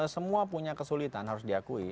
semua punya kesulitan harus diakui